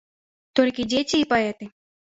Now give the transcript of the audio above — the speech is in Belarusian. Толькі дзеці і паэты.